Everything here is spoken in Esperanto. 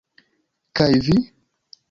Kaj vi?